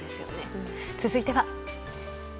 続いては。